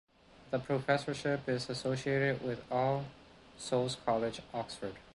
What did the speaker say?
The professorship is associated with All Souls College, Oxford.